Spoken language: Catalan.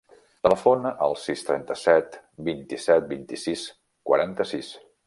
Telefona al sis, trenta-set, vint-i-set, vint-i-sis, quaranta-sis.